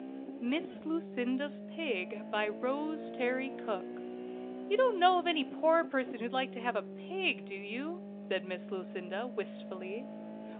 MISS LUCINDA'S PIG. BY ROSE TERRY COOKE. "You don't know of any poor person who'd like to have a pig, do you?" said Miss Lucinda, wistfully.